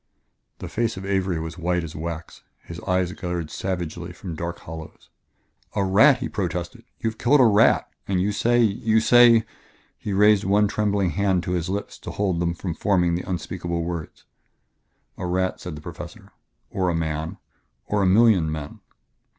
The face of Avery was white as wax; his eyes glared savagely from dark hollows. "A rat!" he protested. "You have killed a rat ... and you say you say " He raised one trembling hand to his lips to hold them from forming the unspeakable words. "A rat," said the Professor "or a man ... or a million men."